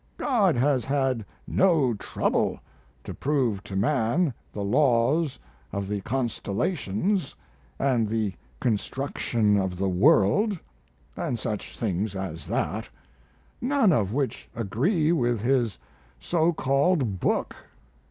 God has had no trouble to prove to man the laws of the constellations and the construction of the world, and such things as that, none of which agree with His so called book.